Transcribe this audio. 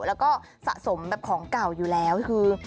แล้วก็สะสมแบบของเก่าอยู่แล้วคือ